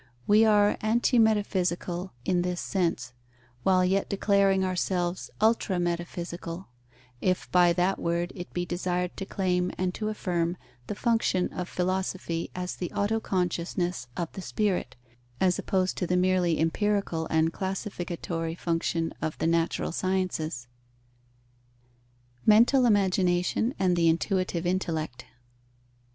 We are antimetaphysical in this sense, while yet declaring ourselves ultrametaphysical, if by that word it be desired to claim and to affirm the function of philosophy as the autoconsciousness of the spirit, as opposed to the merely empirical and classificatory function of the natural sciences. _Mental imagination and the intuitive intellect.